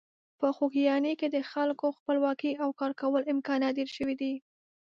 په خوږیاڼي کې د خلکو خپلواکي او کارکولو امکانات ډېر شوي دي.